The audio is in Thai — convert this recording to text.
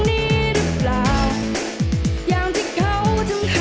ทีมที่ชนะคือทีมมีการใช้สิทธิ์ยกกำลังซากเกิดขึ้นแล้ว